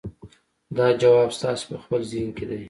دا ځواب ستاسې په خپل ذهن کې دی.